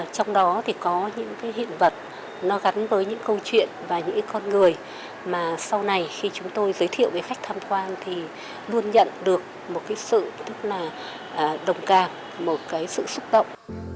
trong đó thì có những hiện vật nó gắn với những câu chuyện và những con người mà sau này khi chúng tôi giới thiệu với khách tham quan thì luôn nhận được một cái sự rất là đồng cảm một cái sự xúc động